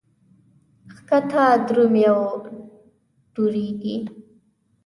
ښکته درومي او دوړېږي.